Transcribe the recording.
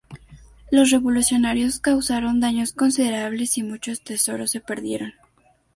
Los revolucionarios causaron daños considerables y muchos tesoros se perdieron.